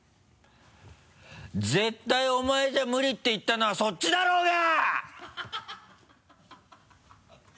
「絶対お前じゃ無理って言ったのはそっちだろうが！」